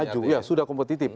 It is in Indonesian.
ya sudah kompetitif